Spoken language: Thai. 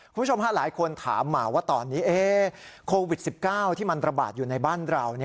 คุณผู้ชมหลายคนถามมาว่าตอนนี้โควิด๑๙ที่มันระบาดอยู่ในบ้านเรา